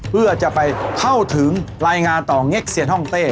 เพื่อจะไปเข้าถึงรายงานต่อเง็กเซียนห้องเต้